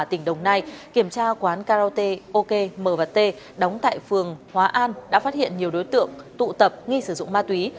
tỉnh đồng nai kiểm tra quán karaoke okm t đóng tại phường hóa an đã phát hiện nhiều đối tượng tụ tập nghi sử dụng ma túy